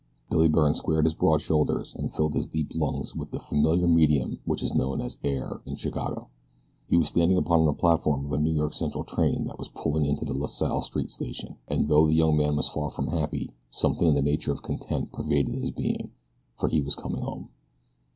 BILLY BYRNE squared his broad shoulders and filled his deep lungs with the familiar medium which is known as air in Chicago. He was standing upon the platform of a New York Central train that was pulling into the La Salle Street Station, and though the young man was far from happy something in the nature of content pervaded his being, for he was coming home.